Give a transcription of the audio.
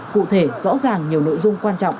cụ thể rõ ràng nhiều nội dung quan trọng